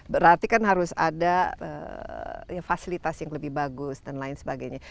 berarti kan harus ada fasilitas yang lebih bagus dan lain sebagainya